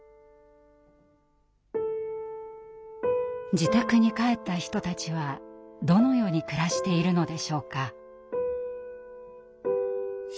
自宅に帰った人たちはどのように暮らしているのでしょうか。